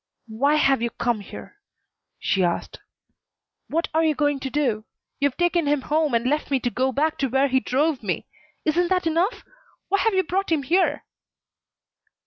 "Why have you come here?" she asked. "What are you going to do? You've taken him home and left me to go back to where he drove me. Isn't that enough? Why have you brought him here?"